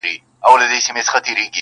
جهاني دا چي بلیږي یوه هم نه پاته کیږي-